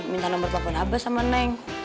minta nomor telepon abbas sama neng